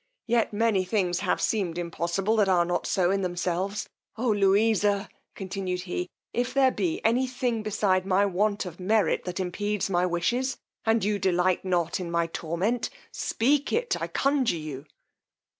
yet many things have seemed impossible that are not so in themselves: O Louisa! continued he, if there be any thing beside my want of merit that impedes my wishes, and you delight not in my torment, speak it I conjure you.